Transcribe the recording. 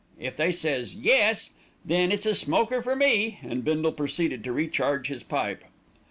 If they says 'Yes,' then it's a smoker for me;" and Bindle proceeded to re charge his pipe.